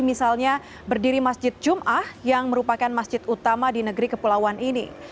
jadi misalnya berdiri masjid jum'ah yang merupakan masjid utama di negeri kepulauan ini